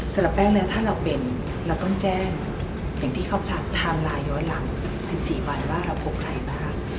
สำหรับแป้งเนี่ยถ้าเราเป็นเราต้องแจ้งอย่างที่เขาทำลายอย่างหลัง๑๔วันว่าเราพบใครบ้าง